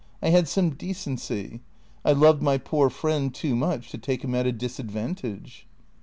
I had some de cency. I loved my poor friend too much to take him at a disadvantage."